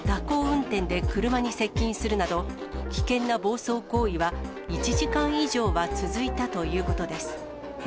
運転で車に接近するなど、危険な暴走行為は１時間以上は続いたということです。